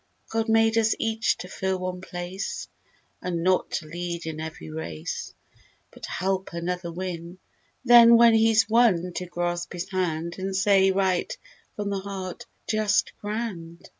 God made us each to fill one place. And not to lead in every race; But help another win. Then, when he's won, to grasp his hand And say, right from the heart, "Just grand!"